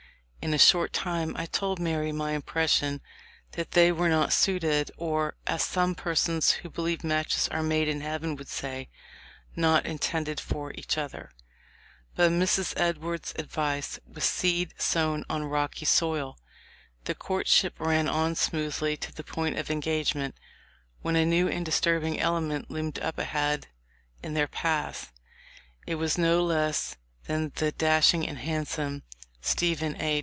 In a short time I told Mary my impression that they were not suited, or, as some persons who believe matches are made in heaven would say, not intended for each other." But Mrs. Edwards' advise was seed sown on rocky soil. The courtship ran on smoothly to the point of engagement, when a new and disturb ing element loomed up ahead in their paths. It was no less than the dashing and handsome Stephen A.